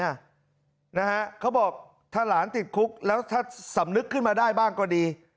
นะฮะเขาบอกถ้าหลานติดคุกแล้วถ้าสำนึกขึ้นมาได้บ้างก็ดี